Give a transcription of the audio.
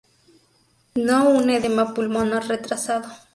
No un edema pulmonar retrasado.